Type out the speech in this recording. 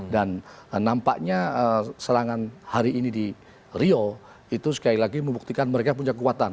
dan nampaknya serangan hari ini di rio itu sekali lagi membuktikan mereka punya kekuatan